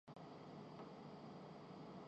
دینی لحاظ سے ان حکمرانوں کی کچھ ذمہ داریاں ہیں۔